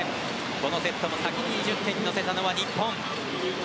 このセットも先に２０点に乗せたのは日本。